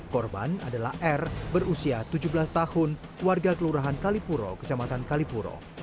korban adalah r berusia tujuh belas tahun warga kelurahan kalipuro kecamatan kalipuro